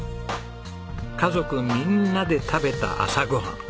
家族みんなで食べた朝ごはん。